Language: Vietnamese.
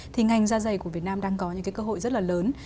thì ngành da dày của việt nam đang có những cái cơ hội rất là lớn